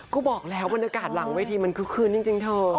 ก็บอกแล้วบรรยากาศหลังเวทีมันคือคืนจริงเถอะ